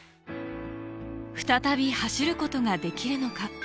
再び走ることができるのか？